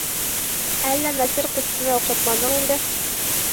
Әллә Насир ҡустыны оҡшатманың инде?